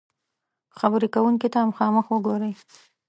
-خبرې کونکي ته مخامخ وګورئ